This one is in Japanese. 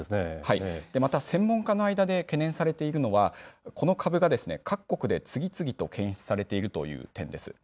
また専門家の間で懸念されているのは、この株が、各国で次々と検出されているという点です。